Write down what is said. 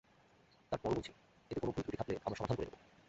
তার পরও বলছি, এতে কোনো ভুল-ত্রুটি থাকলে আমরা সমাধান করে নেব।